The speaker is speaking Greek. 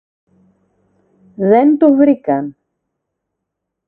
Δεν το βρήκαν